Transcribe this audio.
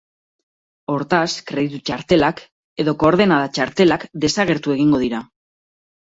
Hortaz, kreditu-txartelak edo koordenada-txartelak desagertu egingo dira.